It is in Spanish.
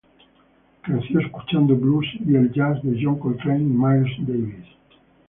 Creció escuchando "blues" y el "jazz" de John Coltrane y Miles Davis.